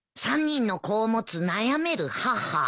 「３人の子を持つ悩める母」